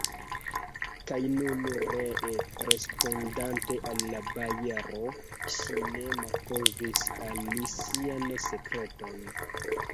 Kaj nun ree, respondante al la bojaro, ŝi ne malkovris al li sian sekreton.